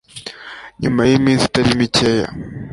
Nyuma yiminsi itari mikeya